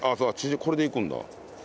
これでいくんだ。